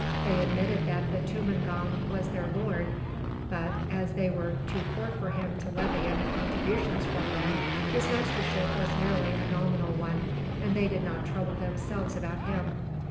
They admitted that the tumangong was their lord but, as they were too poor for him to levy any contributions from them, his mastership was merely a nominal one, and they did not trouble themselves about him.